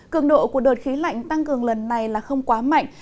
cường độ của đợt khí lạnh tăng cường lần này là không quá mạnh